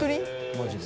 マジで。